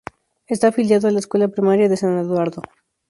Está afiliado a la Escuela Primaria de San Eduardo.